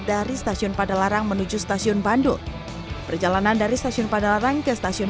dari stasiun pada larang menuju stasiun bandung perjalanan dari stasiun pada larang ke stasiun